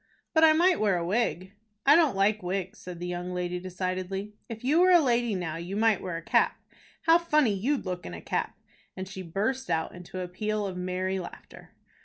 "But I might wear a wig." "I don't like wigs," said the young lady, decidedly. "If you were a lady now, you might wear a cap. How funny you'd look in a cap!" and she burst out into a peal of merry laughter.